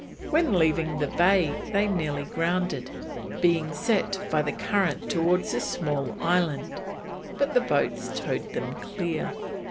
When leaving the bay they nearly grounded, being set by the current towards a small island, but the boats towed them clear.